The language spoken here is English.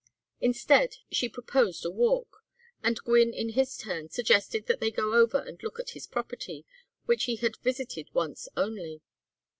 Instead, she proposed a walk, and Gwynne in his turn suggested that they go over and look at his property, which he had visited once only.